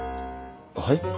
はい？